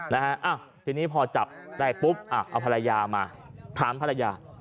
นะฮะอ้าวทีนี้พอจับได้ปุ๊บอ่ะเอาภรรยามาถามภรรยา